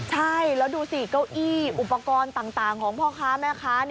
ใช่แล้วดูสิเก้าอี้อุปกรณ์ต่างของพ่อค้าแม่ค้า